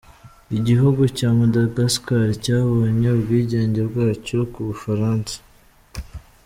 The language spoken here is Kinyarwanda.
Iguhugu cya Madagascar cyabonye ubwigenge bwacyo ku Bufaransa.